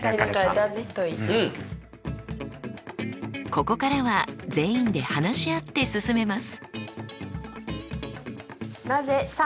ここからは全員で話し合って進めます。